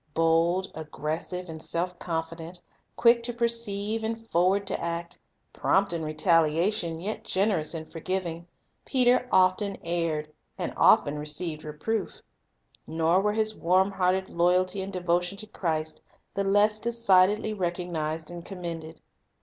Bold, aggressive, and self confident, quick to perceive and forward to act, prompt in retaliation yet generous in forgiving, Peter often erred, and often received reproof. Nor were his warm hearted loyalty and devotion to Christ the less decidedly recognized and commended.